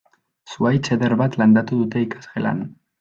Zuhaitz eder bat landatu dute ikasgelan.